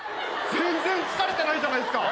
全然疲れてないじゃないっすか。